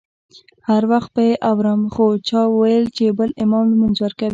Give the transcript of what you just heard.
هر وخت به یې اورم خو چا وویل چې بل امام لمونځ ورکوي.